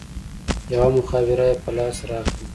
يوه مخابره يې په لاس راکړه.